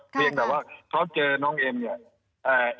เพียงแต่ว่าเขาเจอน้องเอ็มเนี่ย